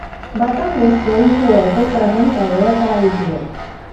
Va també ser un poeta i presentador de televisió.